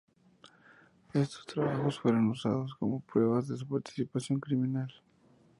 Estos trabajos fueron usados como pruebas de su participación criminal.